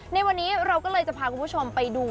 ในวันนี้เราก็เลยจะพาคุณผู้ชมไปดู